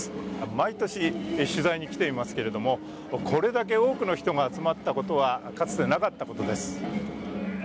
毎年、取材に来ていますけれどもこれだけ多くの人が集まったことはかつてなかったことです。